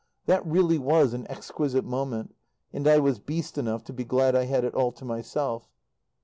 That really was an exquisite moment, and I was beast enough to be glad I had it all to myself.